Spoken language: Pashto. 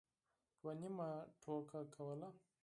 یوه نیمه ټوکه کوله.